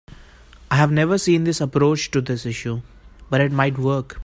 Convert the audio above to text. I have never seen this approach to this issue, but it might work.